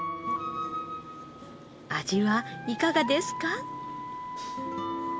味はいかがですか？